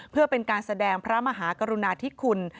เพื่อเป็นการแสดงพระมหากรุณาธิคุณ